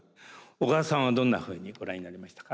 小川さんはどんなふうにご覧になりましたか？